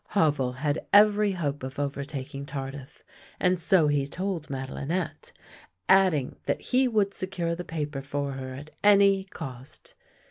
Havel had every hope of overtaking Tardif, and so he told Madelinette, adding that he would secure the paper for her at any cost.